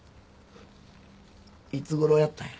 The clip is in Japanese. いつごろやったんや？